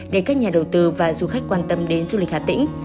để các nhà đầu tư và du khách quan tâm đến du lịch hà tĩnh